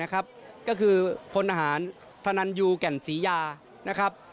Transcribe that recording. ก็คือคนอาหารธนันยูแก่นศรียา